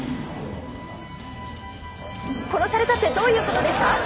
殺されたってどういう事ですか！？